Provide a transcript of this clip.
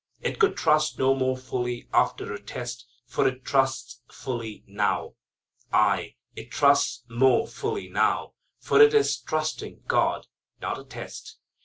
It could trust no more fully after a test, for it trusts fully now. Aye, it trusts more fully now, for it is trusting God, not a test.